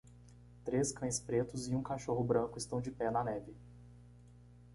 Três cães pretos e um cachorro branco estão de pé na neve.